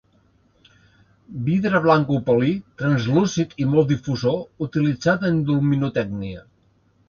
Vidre blanc opalí, translúcid i molt difusor, utilitzat en luminotècnia.